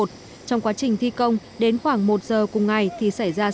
trong quá trình thi công đến khoảng một giờ cùng ngày thì xảy ra xảy ra xảy ra